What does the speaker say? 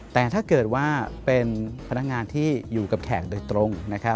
แต่ถ้าเกิดว่าเป็นพนักงานที่อยู่กับแขกโดยตรง